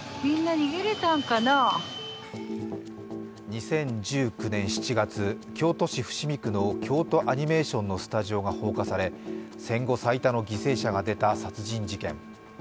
２０１９年７月、京都市伏見区の京都アニメーションのスタジオが放火され戦後最多の犠牲者が出た殺人事件。